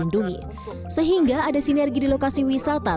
dan kecuali penghajaran kembali dalam homeowners bonc npk